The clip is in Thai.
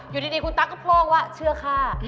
อยู่ดีคุณตั๊กก็โพ่งว่าเชื่อฆ่า